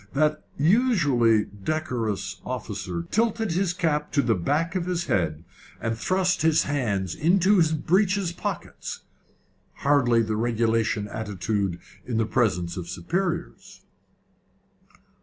That usually decorous officer tilted his cap to the back of his head, and thrust his hands into his breeches pockets hardly the regulation attitude in the presence of superiors.